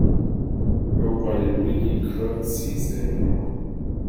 Nobody really curtsies anymore.